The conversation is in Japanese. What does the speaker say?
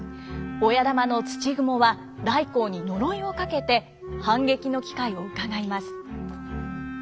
親玉の土蜘蛛は頼光に呪いをかけて反撃の機会をうかがいます。